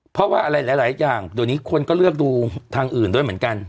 เพราะว่าอะไรหลายอย่างเดี๋ยวนี้คนก็เลือกดูทางอื่นด้วยเหมือนกัน